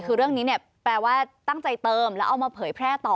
คือเรื่องนี้เนี่ยแปลว่าตั้งใจเติมแล้วเอามาเผยแพร่ต่อ